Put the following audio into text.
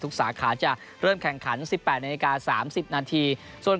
ทุกสาขาจะเริ่มแข่งขันสิบแปดนาฬิกาสามสิบนาทีส่วน